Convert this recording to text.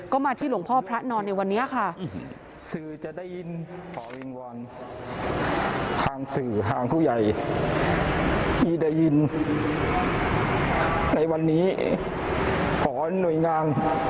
ก็มาที่หลวงพ่อพระนอนในวันนี้ค่ะ